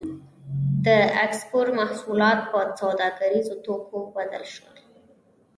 د کسبګرو محصولات په سوداګریزو توکو بدل شول.